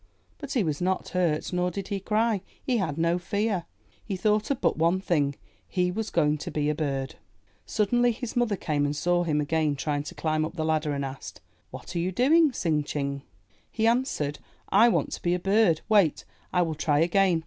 But he was not hurt, nor did he cry; he had no fear — he thought of but one thing — he was going to be a bird. Suddenly his mother came and saw him again trying to climb up the ladder and asked, What are you doing, Tsing Ching?" He answered, '1 want to be a bird; wait, I will try again.